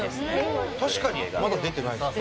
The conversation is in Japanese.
確かに、まだ出てないですね。